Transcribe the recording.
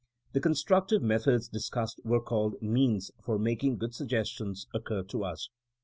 The constructive methods discussed were called means for making good suggestions occur to us.